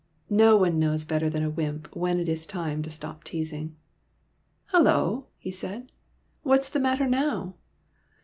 No one knows better than a wymp when it is time to stop teasing. ''Hullo!" he said. "What is the matter now